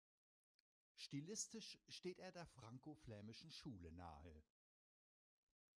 Stilistisch steht er der franko-flämischen Schule nahe.